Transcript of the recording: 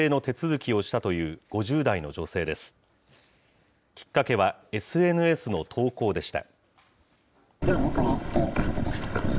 きっかけは、ＳＮＳの投稿でした。